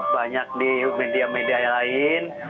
banyak di media media lain